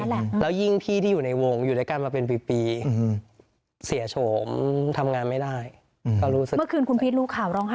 ใช่แล้วยิ่งพี่ที่อยู่ในวงอยู่ด้วยกันมาเป็นปีเสียโฉมทำงานไม่ได้ก็รู้สึกสะเทือน